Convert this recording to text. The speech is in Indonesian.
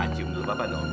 suka banget pa